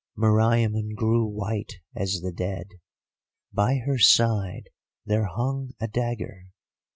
"Meriamun grew white as the dead. By her side there hung a dagger.